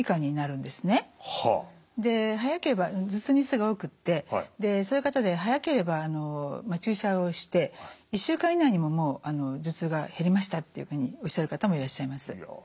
早ければ頭痛日数が多くってそういう方で早ければ注射をして１週間以内にもう頭痛が減りましたっていうふうにおっしゃる方もいらっしゃいます。